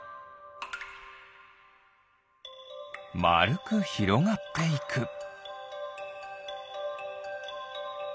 まるくひろがっていく。